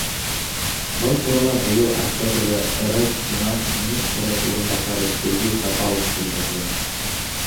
Был турала быйыл октябрҙә РФ финанс министры урынбаҫары Сергей Шаталов белдерҙе.